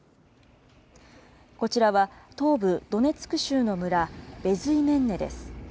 こちらは東部ドネツク州の村、ベズイメンネです。